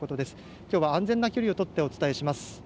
きょうは安全な距離を取ってお伝えします。